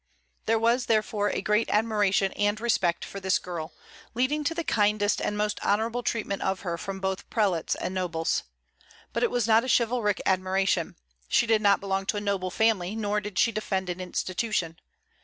There was, therefore, a great admiration and respect for this girl, leading to the kindest and most honorable treatment of her from both prelates and nobles. But it was not a chivalric admiration; she did not belong to a noble family, nor did she defend an institution.